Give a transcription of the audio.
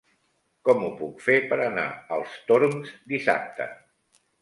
Com ho puc fer per anar als Torms dissabte?